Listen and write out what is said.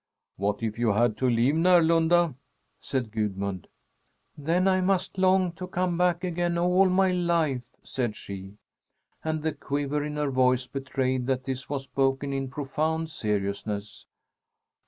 "What if you had to leave Närlunda?" said Gudmund. "Then I must long to come back again all my life," said she. And the quiver in her voice betrayed that this was spoken in profound seriousness.